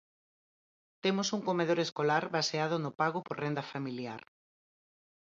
Temos un comedor escolar baseado no pago por renda familiar.